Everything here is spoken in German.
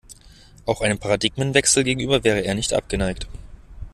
Auch einem Paradigmenwechsel gegenüber wäre er nicht abgeneigt.